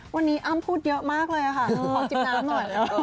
วันนี้อ้ำพูดเยอะมากเลยค่ะขอจิบน้ำหน่อย